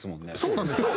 そうなんですよ。